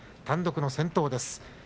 単独の先頭です。